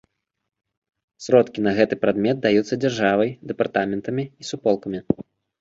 Сродкі на гэты прадмет даюцца дзяржавай, дэпартаментамі і суполкамі.